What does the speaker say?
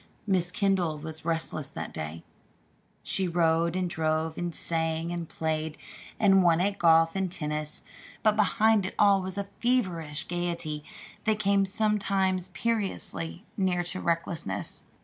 Miss Kendall was restless that day. She rode and drove and sang and played, and won at golf and tennis; but behind it all was a feverish gayety that came sometimes perilously near to recklessness.